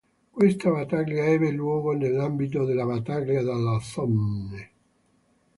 Questa battaglia ebbe luogo nell'ambito della battaglia della Somme.